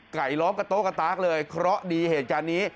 ล้อมกับโต๊ะกระตากเลยเคราะห์ดีเหตุการณ์นี้